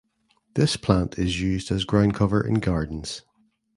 This plant is used as groundcover in gardens.